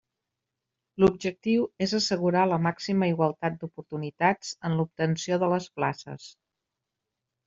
L'objectiu és assegurar la màxima igualtat d'oportunitats en l'obtenció de les places.